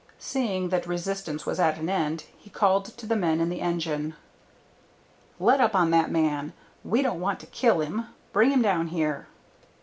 Seeing that resistance was at an end, he called to the men in the engine: "Let up on that man; we don't want to kill him. Bring him down here."